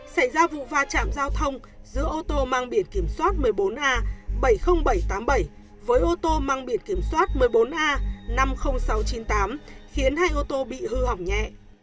xảy ra vụ va chạm giao thông giữa ô tô mang biển kiểm soát một mươi bốn a bảy mươi nghìn bảy trăm tám mươi bảy với ô tô mang biển kiểm soát một mươi bốn a năm mươi nghìn sáu trăm chín mươi tám khiến hai ô tô bị hư hỏng nhẹ